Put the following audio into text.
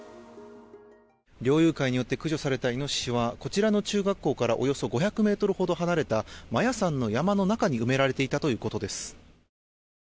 猟友会によって駆除されたイノシシはこちらの中学校からおよそ５００ｍほど離れた摩耶山の山の中に埋められていたということです。